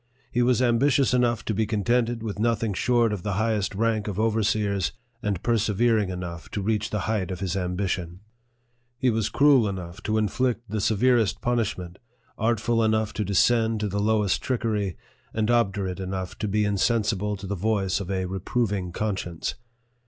He was ambitious enough to be contented with nothing short of the highest rank of overseers, and persevering enough to reach the height of his ambition. He was 23 NARRATIVE OF THE cruel enough to inflict the severest punishment, artful enough to descend to the lowest trickery, and obdurate enough to be insensible to the voice of a reproving conscience.